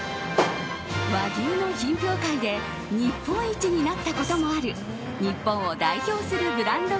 和牛の品評会で日本一になったこともある日本を代表するブランド